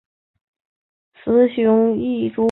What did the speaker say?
雄雌异株。